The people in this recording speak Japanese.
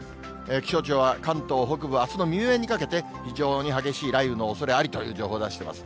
気象庁は関東北部、あすの未明にかけて、非常に激しい雷雨のおそれありという情報を出しています。